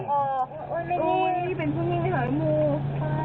มัอะเแอฟนพี่มันนแน่ง